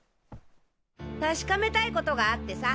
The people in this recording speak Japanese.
確かめたい事があってさ。